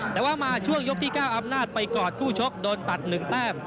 แต่ว่ามาช่วงยกที่๙อำนาจไปกอดคู่ชกโดนตัด๑แต้ม